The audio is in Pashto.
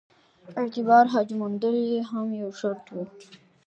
اعتباري حاجي موندل یې هم یو شرط وو.